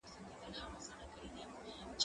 زه به سبا انځورونه رسم کوم